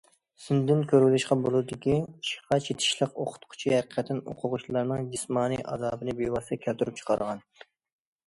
سىندىن كۆرۈۋېلىشقا بولىدۇكى، ئىشقا چېتىشلىق ئوقۇتقۇچى ھەقىقەتەن ئوقۇغۇچىلارنىڭ جىسمانىي ئازابىنى بىۋاسىتە كەلتۈرۈپ چىقارغان.